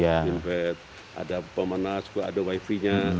ada bed ada pemanas ada wifi nya